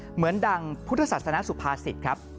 เหมือนดั่งพุทธศาสนสุพาสิทธิ์ครับ